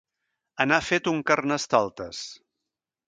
Anar fet un carnestoltes.